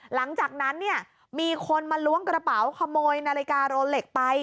หลังจากนั้นเนี่ยมีคนมาล้วงกระเป๋าขโมยนาฬิกาโรเล็กไป